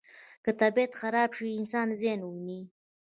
که طبیعت خراب شي، انسان زیان ویني.